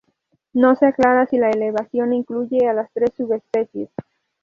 No se aclara si la evaluación incluye a las tres subespecies.